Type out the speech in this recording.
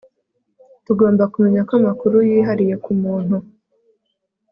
rugomba kumenya ko amakuru yihariye ku muntu